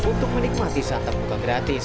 untuk menikmati santan buka gratis